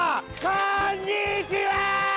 こんにちはー！